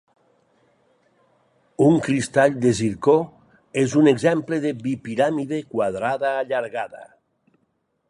Un cristall de zircó és un exemple de bipiràmide quadrada allargada.